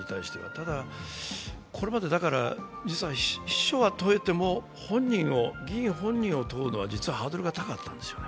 ただこれまで実は秘書は問えても議員本人を問うのは実はハードルが高かったんですよね。